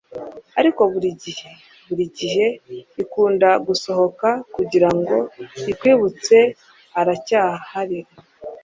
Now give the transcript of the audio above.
ariko burigihe burigihe ikunda gusohoka kugirango ikwibutse iracyahari